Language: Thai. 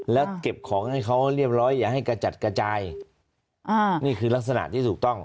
แล้วเก็บของให้เขาเรียบร้อยอย่าให้กระจัดกระจายนี่คือลักษณะที่ถูกต้อง